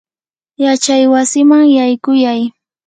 yachaywasiman yaykuyay.